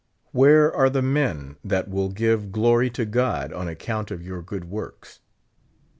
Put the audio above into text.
Where are the men that will give glory^ to God on account of your good works?